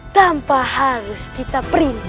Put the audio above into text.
tanpa harus kita perintah